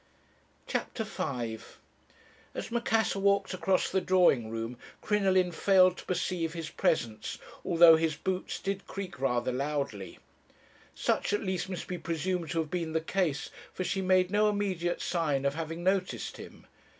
"CHAPTER V "As Macassar walked across the drawing room, Crinoline failed to perceive his presence, although his boots did creak rather loudly. Such at least must be presumed to have been the case, for she made no immediate sign of having noticed him.